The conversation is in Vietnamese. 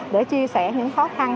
để chia sẻ những khó khăn